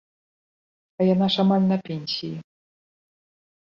А яна ж амаль на пенсіі.